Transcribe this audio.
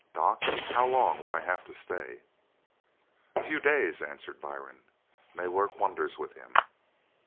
Doc, how long would I have to stay?" "A few days," answered Byrne, "may work wonders with him."